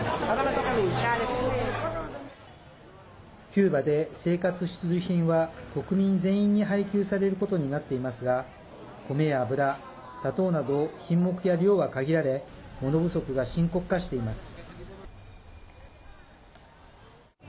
キューバで生活必需品は国民全員に配給されることになっていますが米や油、砂糖など品目や量が限られ物不足が深刻化しています。